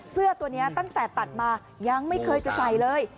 เสื้อตัวนี้ตั้งแต่ตัดมายังไม่เคยจะใส่เลย